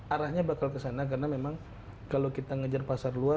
arahnya bakal kesana karena memang kalau kita ngejar pasar luar